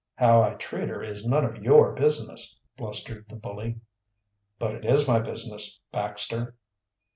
"How I treat her is none of your business," blustered the bully. "But it is my business, Baxter."